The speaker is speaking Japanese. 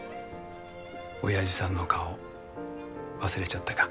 おやじさんの顔忘れちゃったか？